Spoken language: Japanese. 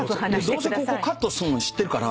どうせここカットするの知ってるから。